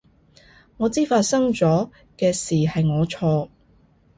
我知發生咗嘅事係我錯